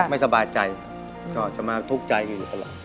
ไม่สบายใจก็จะมาทุกข์ใจอยู่ตลอด